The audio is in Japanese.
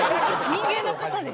人間の方で。